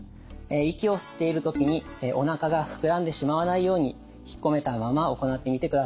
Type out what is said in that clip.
息を吸っている時におなかが膨らんでしまわないようにひっこめたまま行ってみてください。